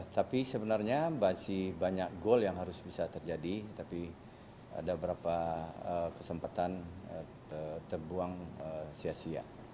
tapi sebenarnya masih banyak gol yang harus bisa terjadi tapi ada beberapa kesempatan terbuang sia sia